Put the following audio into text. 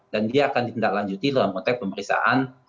dan dia akan ditindaklanjuti dalam konteks pemeriksaan